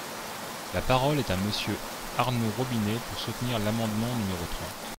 La parole est à Monsieur Arnaud Robinet, pour soutenir l’amendement numéro trente.